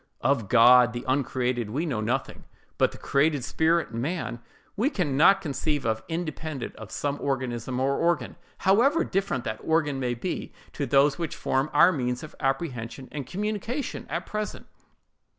Of God, the uncreated, we know nothing; but the created spirit, man, we can not conceive of independent of some organism or organ, however different that organ may be to those which form our means of apprehension and communication at present.